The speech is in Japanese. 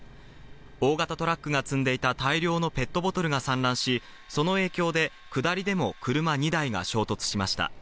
大型トラックが積んでいた大量のペットボトルが散乱し、その影響で、下りでも車２台が衝突しました。